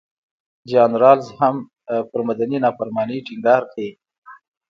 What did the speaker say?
جان رالز هم پر مدني نافرمانۍ ټینګار کوي.